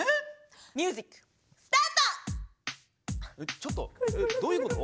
ちょっとどういうこと？